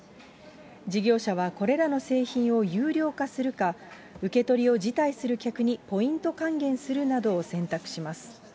事業者はこれらの製品を有料化するか、受け取りを辞退する客にポイント還元するなどを選択します。